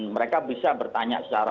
mereka bisa bertanya secara